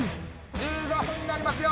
１５分になりますよ。